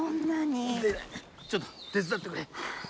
出れないちょっと手伝ってくれ。